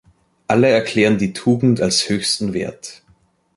Alle erklären die Tugend als höchsten Wert.